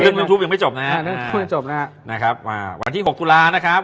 เรื่องที่ทุบยังไม่จบนะครับ